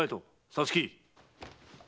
皐月。